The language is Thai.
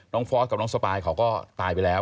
ฟอร์สกับน้องสปายเขาก็ตายไปแล้ว